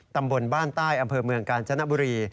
ตำบลบ้านใต้อำเภอเมืองกาญจนบุรี